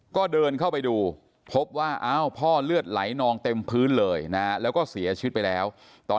คนเข้าไปดูพบว่าภ่าวเสียชีวิตไปแล้วตอน